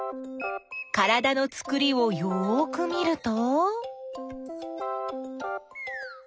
からだのつくりをよく見ると？